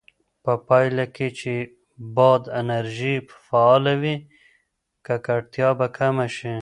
په پایله کې چې باد انرژي فعاله وي، ککړتیا به کمه شي.